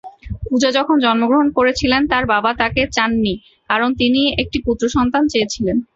পূজা যখন জন্মগ্রহণ করেছিলেন, তাঁর বাবা তাঁকে চাননি; কারণ তিনি একটি পুত্র সন্তান চেয়েছিলেন।